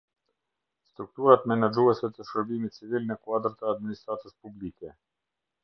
Strukturat menaxhuese të shërbimit civil në kuadër të administratës publike.